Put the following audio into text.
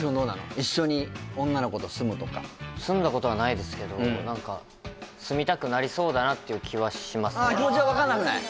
一緒に女の子と住むとか住んだことはないですけど何か住みたくなりそうだなっていう気はしますねああ気持ちは分かんなくない？